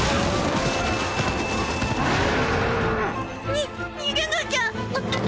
に逃げなきゃ